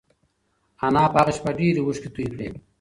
انا په هغه شپه ډېرې اوښکې تویې کړې.